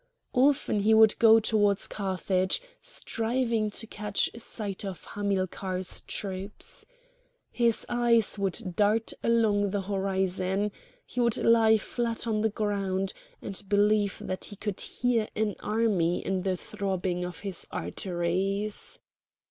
Often he would go towards Carthage, striving to catch sight of Hamilcar's troops. His eyes would dart along the horizon; he would lie flat on the ground, and believe that he could hear an army in the throbbing of his arteries.